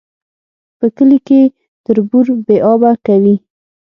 په کلي کي تربور بې آبه کوي